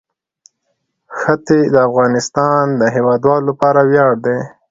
ښتې د افغانستان د هیوادوالو لپاره ویاړ دی.